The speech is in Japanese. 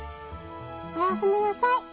おやすみなさい。